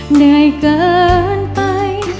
เหนื่อยเกินไป